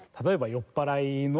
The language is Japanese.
酔っ払い？